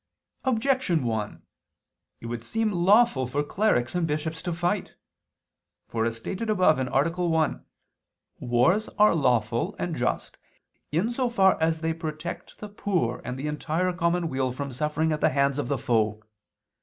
Objection 1: It would seem lawful for clerics and bishops to fight. For, as stated above (A. 1), wars are lawful and just in so far as they protect the poor and the entire common weal from suffering at the hands of the foe.